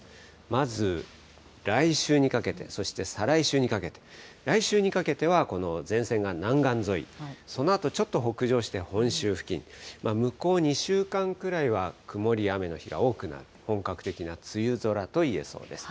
まず、来週にかけて、そして再来週にかけて、来週にかけては、この前線が南岸沿い、そのあとちょっと北上して、本州付近、向こう２週間ぐらいは曇りや雨の日が多くなる、本格的な梅雨空といえそうです。